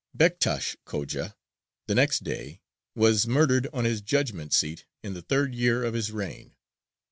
Bektāsh Khōja, the next Dey, was murdered on his judgment seat in the third year of his reign.